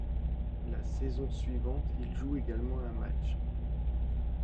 La saison suivante, il joue également un match.